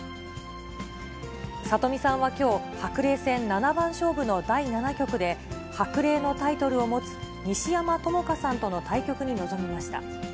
里見さんはきょう、白玲戦七番勝負の第７局で、白玲のタイトルを持つ西山朋佳さんとの対局に臨みました。